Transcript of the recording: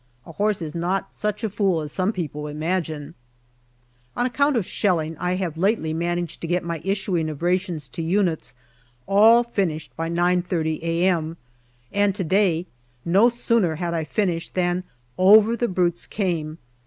A horse is not such a fool as some people imagine. AUGUST 183 On account of shelling, I have lately managed to get my issuing of rations to units all finished by 9.30 a.m., and to day, no sooner had I finished than over the brutes came.